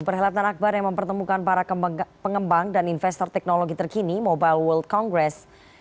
perhelatan akbar yang mempertemukan para pengembang dan investor teknologi terkini mobile world congress